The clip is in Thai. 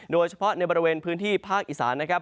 โดยเฉพาะในบริเวณพื้นที่ภาคอีสานนะครับ